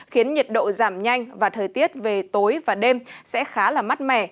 khiến nhiệt độ giảm nhanh và thời tiết về tối và đêm sẽ khá là mát mẻ